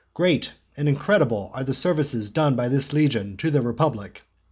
Great and incredible are the services done by this legion to the republic.